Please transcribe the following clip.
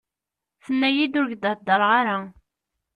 Tenna-iyi-d ur k-d-heddreɣ ara.